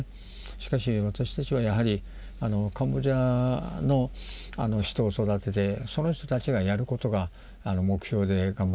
しかし私たちはやはりカンボジアの人を育ててその人たちがやることが目標で頑張ってきましたので。